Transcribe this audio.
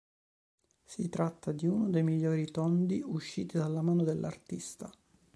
Si tratta di uno dei migliori tondi usciti dalla mano dell'artista.